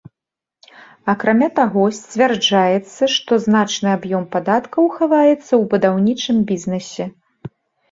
Акрамя таго, сцвярджаецца, што значны аб'ём падаткаў хаваецца ў будаўнічым бізнэсе.